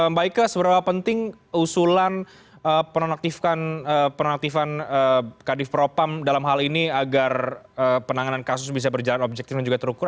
mbak ika seberapa penting usulan penonaktifan kadif propam dalam hal ini agar penanganan kasus bisa berjalan objektif dan juga terukur